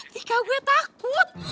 tika gue takut